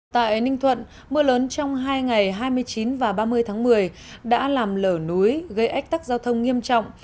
tại ninh thuận mưa lớn trong hai ngày hai mươi chín và ba mươi tháng một mươi đã làm lở núi gây ách tắc giao thông nghiêm trọng